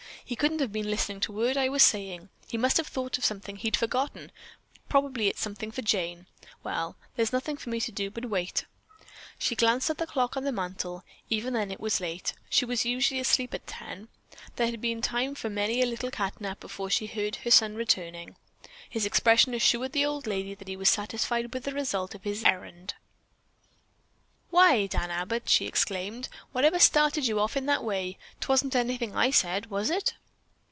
"He couldn't have been listening to a word I was saying. He must have thought of something he'd forgotten, probably it's something for Jane. Well, there's nothing for me to do but wait." She glanced at the clock on the mantle. Even then it was late. She was usually asleep at ten. There had been time for many a little cat nap before she heard her son returning. His expression assured the old lady that he was satisfied with the result of his errand. "Why, Dan Abbott," she exclaimed, "whatever started you off in that way? 'Twasn't anything I said, was it?"